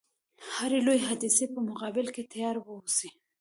هري لويي حادثې په مقابل کې تیار و اوسي.